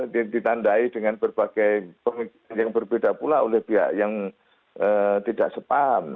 ditandai dengan berbagai pemikiran yang berbeda pula oleh pihak yang tidak sepaham